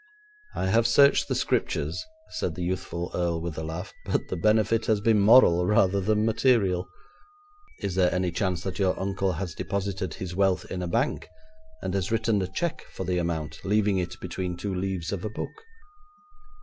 'I have searched the Scriptures,' said the youthful Earl with a laugh, 'but the benefit has been moral rather than material.' 'Is there any chance that your uncle has deposited his wealth in a bank, and has written a cheque for the amount, leaving it between two leaves of a book?'